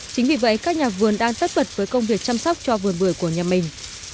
chính vì vậy các nhà vườn đang tất bật với công việc chăm sóc cho vườn bưởi của nhà mình